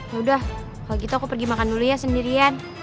udah kalau gitu aku pergi makan dulu ya sendirian